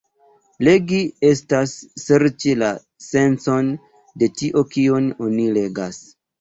Legi estas serĉi la sencon de tio kion oni legas.